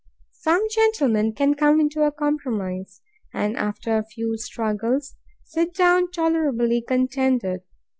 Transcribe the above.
Some gentlemen can come into a compromise; and, after a few struggles, sit down tolerably contented.